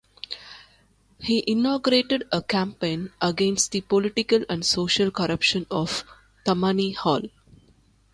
He inaugurated a campaign against the political and social corruption of Tammany Hall.